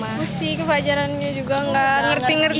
terus busi ke pelajarannya juga nggak ngerti ngerti